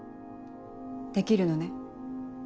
できるのね？